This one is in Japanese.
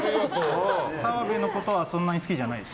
澤部のことはそんなに好きじゃないです。